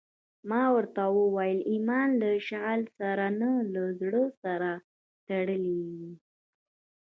ما ورته وويل ايمان له شغل سره نه له زړه سره تړلى وي.